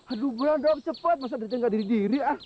aduh gua udah cepet masa diri tinggal diri diri ah